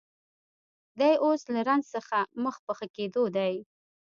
دی اوس له زنځ څخه مخ پر ښه کېدو دی